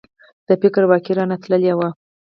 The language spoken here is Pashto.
د فکر واګي رانه تللي وو.